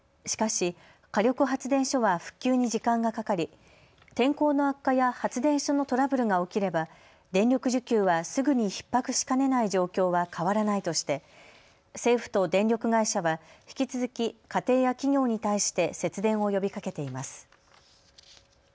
しかし火力発電所は復旧に時間がかかり天候の悪化や発電所のトラブルが起きれば、電力需給はすぐにひっ迫しかねない状況は変わらないとして政府と電力会社は引き続き家庭や企業に対して節電を呼びかけています。